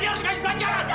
dia harus belajar